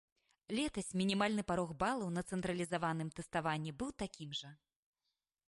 Летась мінімальны парог балаў на цэнтралізаваным тэставанні быў такім жа.